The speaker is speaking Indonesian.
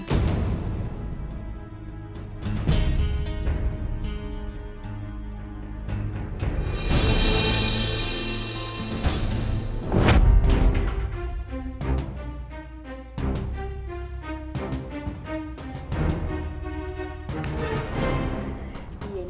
tidak ada yang bisa dipercaya